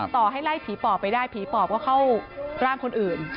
ต่อให้ไล่ผีปอบไปได้ผีปอบก็เข้าร่างคนอื่น